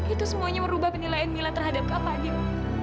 itu semuanya merubah penilaian mila terhadap kak fadil